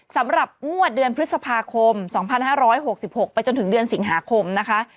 สำหรับงวดเดือนพฤษภาคม๒๕๖๖ไปจนถึงเดือนสิงหาคมนะคะ